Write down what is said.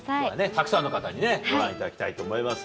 たくさんの方にねご覧いただきたいと思います。